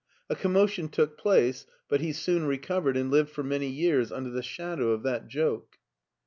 A commotion took place, but he soon recovered and lived for many years under the shadow of that joke.